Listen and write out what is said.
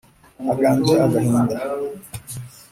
aganje agahinda